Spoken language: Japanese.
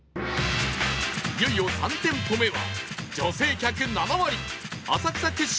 いよいよ３店舗目は